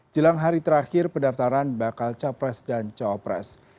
jelang hari terakhir pendaftaran bakal capres dan cawapres